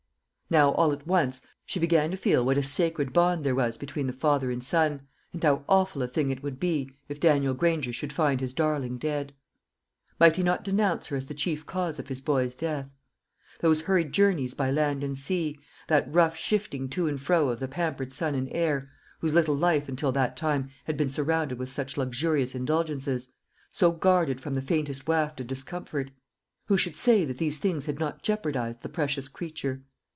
Now all at once she began to feel what a sacred bond there was between the father and son, and how awful a thing it would be, if Daniel Granger should find his darling dead. Might he not denounce her as the chief cause of his boy's death? Those hurried journeys by land and sea that rough shifting to and fro of the pampered son and heir, whose little life until that time had been surrounded with such luxurious indulgences, so guarded from the faintest waft of discomfort who should say that these things had not jeopardised the precious creature?